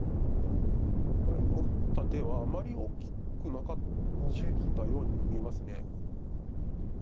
だから今打った手はあまり大きくなかったようにも見えます。